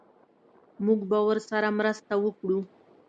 موږ به ورسره مرسته وکړو